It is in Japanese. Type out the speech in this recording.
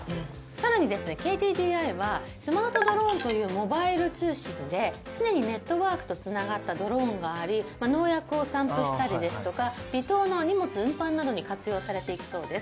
更にですねＫＤＤＩはスマートドローンというモバイル通信で常にネットワークとつながったドローンがあり農薬を散布したりですとか離島の荷物運搬などに活用されていくそうです。